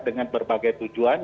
dengan berbagai tujuan